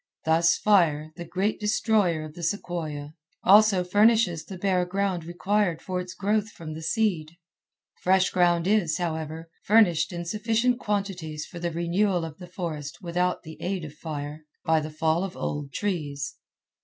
Thus fire, the great destroyer of the sequoia, also furnishes the bare ground required for its growth from the seed. Fresh ground is, however, furnished in sufficient quantities for the renewal of the forests without the aid of fire—by the fall of old trees.